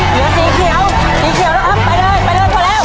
ไปพอแล้วครบแล้ว